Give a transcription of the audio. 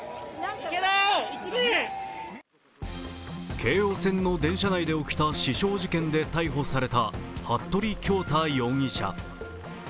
京王線の電車内で起きた刺傷事件で逮捕された服部恭太容疑者。